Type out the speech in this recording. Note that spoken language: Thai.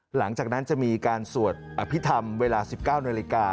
หลังจากนั้นจะมีการสวดอภิษฐรรมเวลา๑๙นาฬิกา